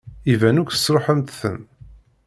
Iban akk tesṛuḥemt-ten.